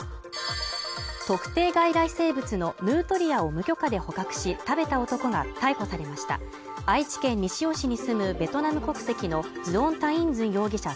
特定外来生物のヌートリアを無許可で捕獲し食べた男が逮捕されました愛知県西尾市に住むベトナム国籍のズオン・タイン・ズン容疑者